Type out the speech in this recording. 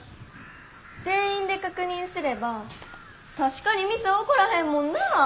全員で確認すれば確かにミス起こらへんもんなあ。